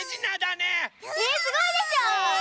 ねえすごいでしょう！